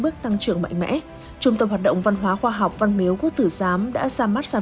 bước tăng trưởng mạnh mẽ trung tâm hoạt động văn hóa khoa học văn miếu quốc tử giám đã ra mắt sản